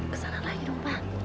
kesana lagi dong pak